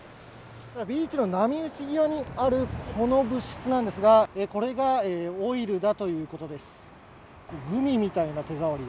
ビーチの波打ち際にあるこの物質なんですが、これがオイルだということです。